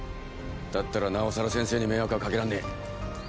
だったらなおさら先生に迷惑はかけらんねえ。